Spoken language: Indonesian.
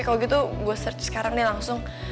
kalau gitu gue search sekarang nih langsung